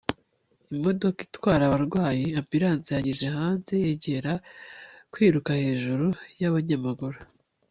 Imodoka itwara abarwayi ambulance yagiye hanze yegera kwiruka hejuru yabanyamaguru